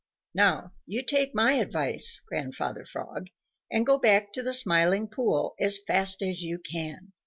Now you take my advice, Grandfather Frog, and go back to the Smiling Pool as fast as you can.